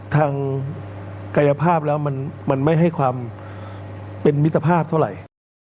ทางกายภาพแล้วมันไม่ให้ความเป็นมิตรภาพเท่าไหร่